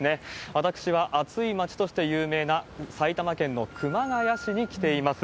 私は暑い町として有名な埼玉県の熊谷市に来ています。